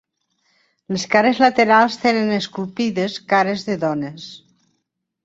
Les cares laterals tenen esculpides cares de dones.